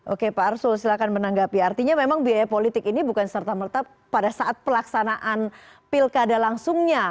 oke pak arsul silahkan menanggapi artinya memang biaya politik ini bukan serta merta pada saat pelaksanaan pilkada langsungnya